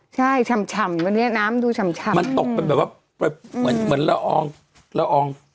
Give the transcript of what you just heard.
ใช่ฉ่ำฉ่ำวันนี้น้ำดูฉ่ำฉ่ำมันตกเป็นแบบว่าอืมเหมือนเหล้าอองเหล้าออง